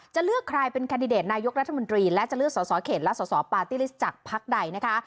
เลือกใครเป็นแคนดิเดตนายกรัฐมนตรีและจะเลือกสอสอเขตและสสปาร์ตี้ลิสต์จากพักใดนะคะ